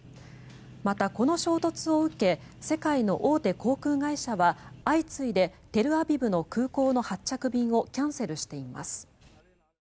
またこの衝突を受け世界の大手航空会社は相次いでテルアビブの空港の発着便をキャンセルしています。